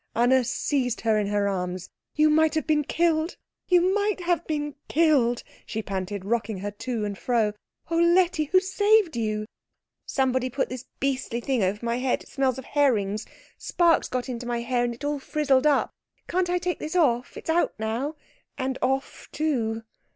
Anna seized her in her arms. "You might have been killed you might have been killed," she panted, rocking her to and fro. "Oh, Letty who saved you?" "Somebody put this beastly thing over my head it smells of herrings. Sparks got into my hair, and it all frizzled up. Can't I take this off? It's out now and off too."